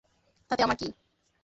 তাতে আমার কি!